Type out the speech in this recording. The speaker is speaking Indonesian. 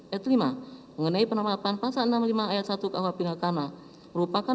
eto lima mengenai penerimaan pasal enam puluh lima ayat satu kawah pinana